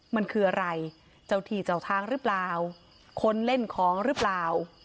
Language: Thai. มันคืออะไรเจ้าที่เจ้าทางหรือเปล่าคนเล่นของหรือเปล่า